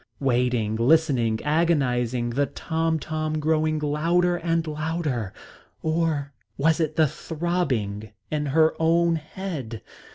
Waiting, listening, agonising, the tom tom growing louder and louder or was it only the throbbing in her own head?